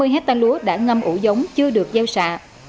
năm mươi hectare lúa đã ngâm ủ giống chưa được gieo xạ